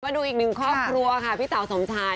มาดูอีกหนึ่งครอบครัวค่ะพี่เต๋าสมชาย